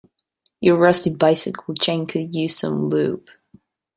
Your rusty bicycle chain could use some lube.